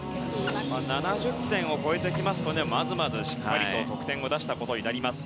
７０点を超えてきますとまずまずしっかりと得点を出したことになります。